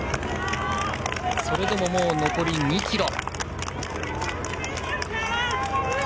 それでも残り２ｋｍ。